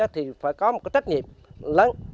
thì phải có một trách nhiệm lớn